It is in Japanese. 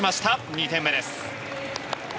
２点目です。